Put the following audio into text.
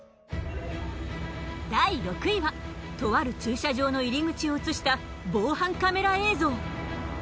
第６位はとある駐車場の入り口を映した防犯カメラ映像。